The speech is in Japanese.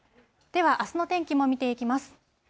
では、あすの天気も見ていきます。